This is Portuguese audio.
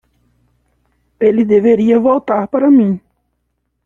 Ele deveria voltar para mim